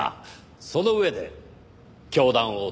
その上で教団を摘発する。